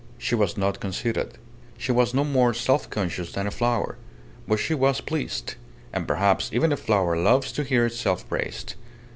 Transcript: She was not conceited. She was no more self conscious than a flower. But she was pleased. And perhaps even a flower loves to hear itself praised.